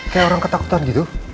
kayak orang ketakutan gitu